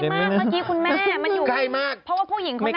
ใกล้มากเพราะว่าผู้หญิงเขานั่ง